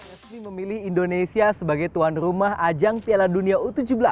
resmi memilih indonesia sebagai tuan rumah ajang piala dunia u tujuh belas